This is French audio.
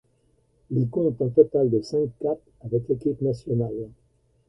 Il compte un total de cinq capes avec l'équipe nationale.